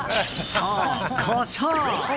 そう、コショウ！